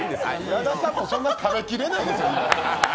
矢田さんもそんなに食べきれないですよ